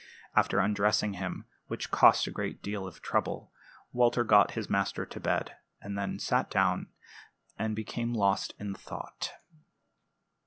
After undressing him, which cost a great deal of trouble, Walter got his master to bed, and then sat down, and became lost in thought.